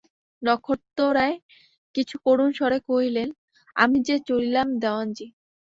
নক্ষত্ররায় কিছু করুণ স্বরে কহিলেন, আমি যে চলিলাম দেওয়ানজি।